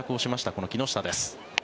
この木下です。